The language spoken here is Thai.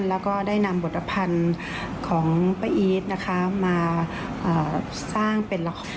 แล้วก็ได้นำบทภัณฑ์ของป้าอีทนะคะมาสร้างเป็นละคร